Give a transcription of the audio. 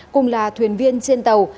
cùng là thuyền viên trên tàu